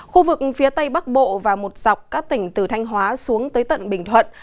khu vực phía tây bắc bộ và một dọc các tỉnh từ thanh hóa xuống tới tận bình thuận